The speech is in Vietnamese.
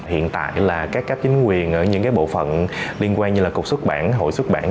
hiện tại là các cấp chính quyền ở những bộ phận liên quan như là cục xuất bản hội xuất bản